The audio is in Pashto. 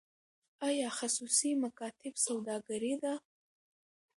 آیا خصوصي مکاتب سوداګري ده؟